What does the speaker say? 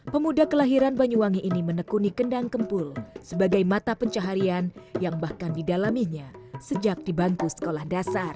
pemuda kelahiran banyuwangi ini menekuni kendang kempul sebagai mata pencaharian yang bahkan didalaminya sejak di bangku sekolah dasar